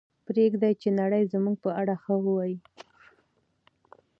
پرېږدئ چې نړۍ زموږ په اړه ښه ووایي.